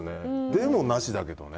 でも、なしだけどね。